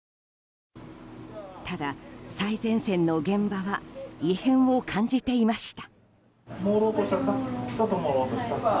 ただ、最前線の現場は異変を感じていました。